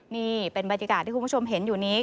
นี่เป็นบรรยากาศที่คุณผู้ชมเห็นอยู่นี้